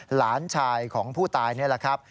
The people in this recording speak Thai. หลานชายของผู้ตายนี่แหละครับ